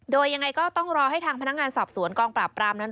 โดยยังไงก็ต้องรอให้ทางพนักงานสอบสวนกองปราบปรามนั้น